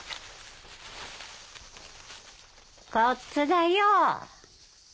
こっちだよぉ。